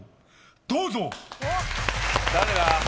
どうぞ！